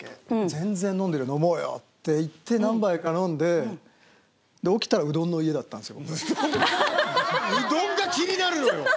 全然飲んでる、飲もうよって言って、何杯か飲んで、起きたら、うどんの家だったんですよ。